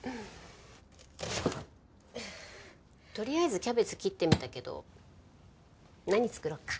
とりあえずキャベツ切ってみたけど何作ろうか？